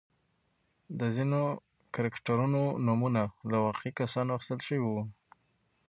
د ځینو کرکټرونو نومونه له واقعي کسانو اخیستل شوي وو.